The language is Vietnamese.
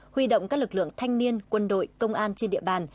huy động các lực lượng thanh niên quân đội công an trên địa bàn